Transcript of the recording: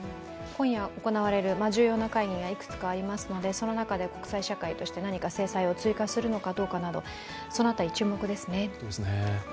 今夜行われる重要な会議がいくつかありますので、その中で国際社会として何か制裁を追加するかどうかなどその辺り、注目ですね。